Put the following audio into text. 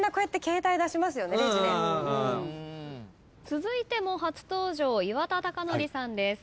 続いても初登場岩田剛典さんです。